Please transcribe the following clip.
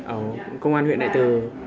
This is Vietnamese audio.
ở công an huyện đại tờ